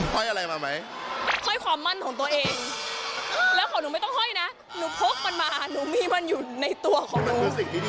ห้อยอะไรมาไหมห้อยความมั่นของตัวเองแล้วของหนูไม่ต้องห้อยนะหนูพกมันมาหนูมีมันอยู่ในตัวของหนู